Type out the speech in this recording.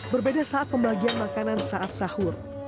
berbeda saat pembagian makanan saat sahur